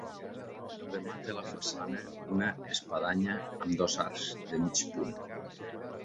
Remata la façana una espadanya amb dos arcs de mig punt.